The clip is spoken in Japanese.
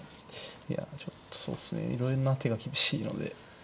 いやちょっとそうですねいろいろな手が厳しいので。